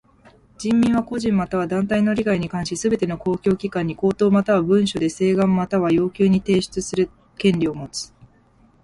人民は個人または団体の利害に関しすべての公共機関に口頭または文書で請願または要求を提出する権利をもつ。